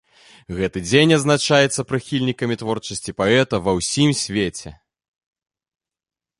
Гэты дзень адзначаецца прыхільнікамі творчасці паэта ва ўсім свеце.